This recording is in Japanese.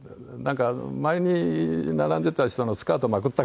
前に並んでた人のスカートまくったか